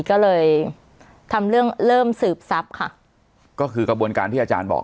ก็เลยทำเรื่องเริ่มสืบทรัพย์ค่ะก็คือกระบวนการที่อาจารย์บอก